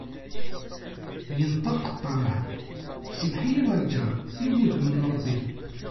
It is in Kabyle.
Yenṭeq ṭṭameε: “Semmeḥ-iyi a lğar i wudem n Rebbi."